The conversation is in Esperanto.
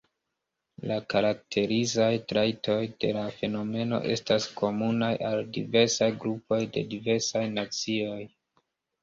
La karakterizaj trajtoj de la fenomeno estas komunaj al diversaj grupoj de diversaj nacioj.